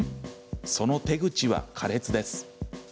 その手口は苛烈です。